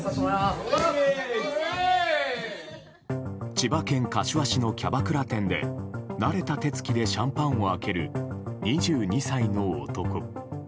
千葉県柏市のキャバクラ店で慣れた手つきでシャンパンを開ける２２歳の男。